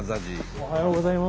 おはようございます。